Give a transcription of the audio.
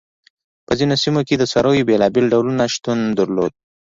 په ځینو سیمو کې د څارویو بېلابېل ډولونه شتون درلود.